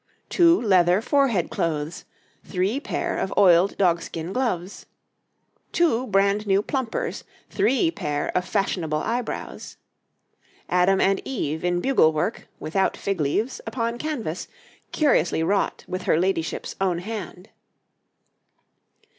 Two Leather Forehead Cloathes, three pair of oiled Dogskin Gloves. Two brand new Plumpers, three pair of fashionable Eyebrows. Adam and Eve in Bugle work, without Fig leaves, upon Canvas, curiously wrought with her Ladyship's own hand.